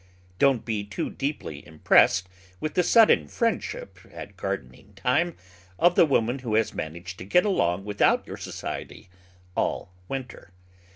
Don't be too deeply impressed with the sudden friendship at gardening time of the woman who has managed to get along without your society all winter.